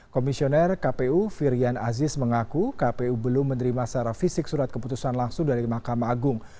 komisioner kpu firian aziz mengaku kpu belum menerima secara fisik surat keputusan langsung dari mahkamah agung